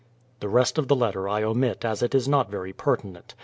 The rest of the letter I omit as it is not very pertinent.